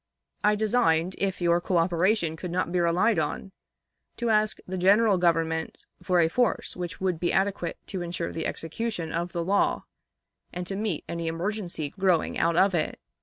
... I designed, if your coöperation could not be relied on, to ask the General Government for a force which should be adequate to insure the execution of the law and to meet any emergency growing out of it."